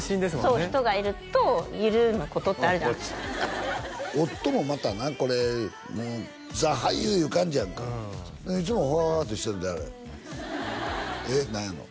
そう人がいると緩むことってあるじゃないですか夫もまたなこれザ・俳優いう感じやんかいつもふわっとしてるであれえっ何やの？